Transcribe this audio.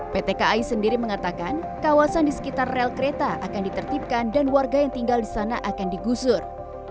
pt kai sendiri mengatakan kawasan di sekitar rel kereta akan ditertipkan dan warga yang tinggal di sana akan digusur